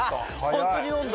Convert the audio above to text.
ホントに飲んだ！